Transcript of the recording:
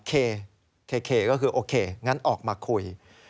เคก็คือโอเคงั้นออกมาคุย